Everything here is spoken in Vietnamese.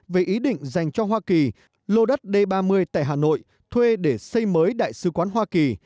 về ý định dành cho hoa kỳ lô đất d ba mươi tại hà nội thuê để xây mới đại sứ quán hoa kỳ